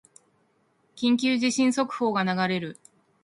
緊急地震速報が流れる